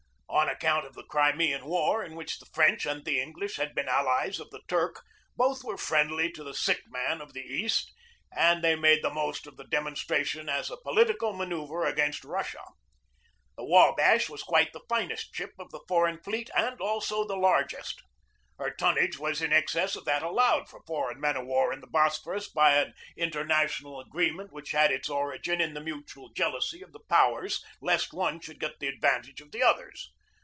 On account of the Crimean War, in which the French and the English had been allies of the Turk, both were friendly to the Sick Man of the East, and they made the most of the demonstration as a political manoeuvre against Russia. The Wdbash was quite the finest ship of the for eign fleet and also the largest. Her tonnage was in excess of that allowed for foreign men of war in the Bosphorus by an international agreement which had its origin in the mutual jealousy of the powers lest one should get advantage of the others.